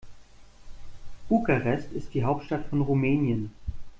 Bukarest ist die Hauptstadt von Rumänien.